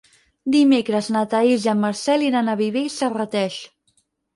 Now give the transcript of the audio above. Dimecres na Thaís i en Marcel iran a Viver i Serrateix.